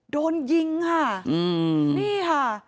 โดนยิงค่ะนี่ค่ะ